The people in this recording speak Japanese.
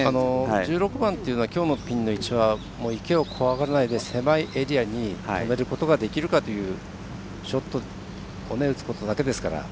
１６番というのはきょうのピンの位置は池を怖がらずに狭いエリアに止めることができるかというショットを打つことだけですから。